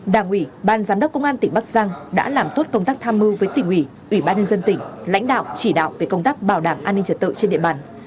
đảng ủy ban giám đốc công an tỉnh bắc giang đã làm tốt công tác tham mưu với tỉnh ủy ủy ban nhân dân tỉnh lãnh đạo chỉ đạo về công tác bảo đảm an ninh trật tự trên địa bàn